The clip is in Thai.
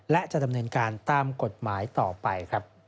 และจะดำเนินการตามกฎหมายต่อไปครับ